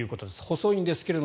細いんですけど。